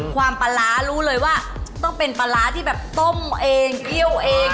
ความปลาร้ารู้เลยว่าต้องเป็นปลาร้าที่แบบต้มเองเคี่ยวเอง